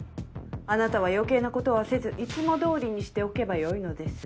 あなたは余計なことはせずいつも通りにしておけばよいのです。